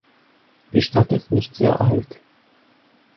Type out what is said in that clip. Die Stadt ist nicht sehr alt.